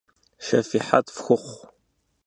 Şşefihet fxuxhu!